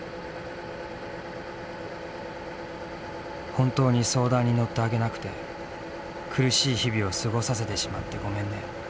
「本当に相談に乗ってあげなくて苦しい日々を過ごさせてしまってごめんね。